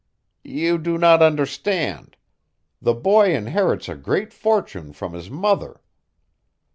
"You do not understand. The boy inherits a great fortune from his mother.